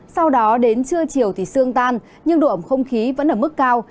sau đó đến trưa chiều thì sương tan nhưng độ ẩm không khí vẫn ở mức cao